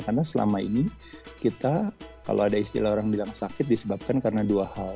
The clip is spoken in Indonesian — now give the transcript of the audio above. karena selama ini kita kalau ada istilah orang bilang sakit disebabkan karena dua hal